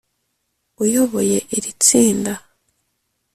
uyoboye iri tsinda